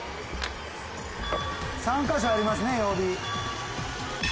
３か所ありますね曜日。